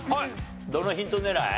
どのヒント狙い？